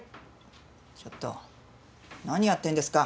ちょっと何やってるんですか？